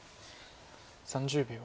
３０秒。